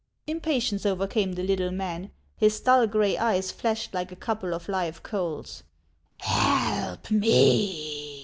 " Impatience overcame the little man. His dull gray eyes Hashed like a couple of live coals. " Help me